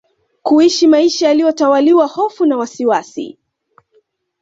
kuishi maisha yaliyo tawaliwa hofu na wasiwasi